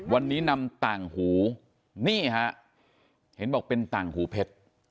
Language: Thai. วันนี้นำต่างหูนี่ฮะเห็นบอกเป็นต่างหูเพชร